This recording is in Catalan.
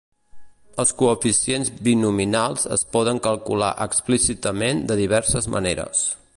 Els coeficients binomials es poden calcular explícitament de diverses maneres.